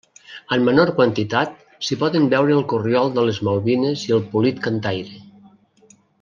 En menor quantitat s'hi poden veure el corriol de les Malvines i el polit cantaire.